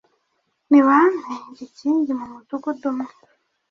nibampe igikingi mu mudugudu umwe